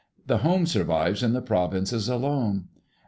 The home survives in the provinces alone.